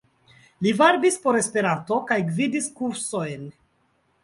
Li varbis por Esperanto kaj gvidis kursojn.